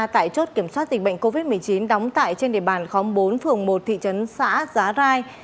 tại chốt kiểm soát dịch bệnh covid một mươi chín đóng tại trên địa bàn khóm bốn phường một thị trấn xã giá rai